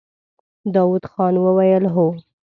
داوود خان وويل: هو!